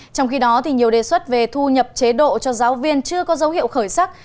trong khi đó nhiều đề xuất về thu nhập chế độ cho giáo viên chưa có dấu hiệu khởi sắc